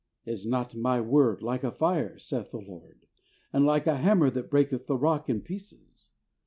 "Is not My Word like a fire? saith the Lord, and like a hammer that breaketh the rock in pieces?"